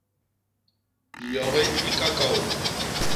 Yogi i kakaô.